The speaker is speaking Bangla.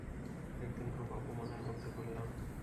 একদিন খুব অপমানের মধ্যে পড়লাম।